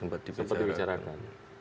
sempat sempet dibicarakan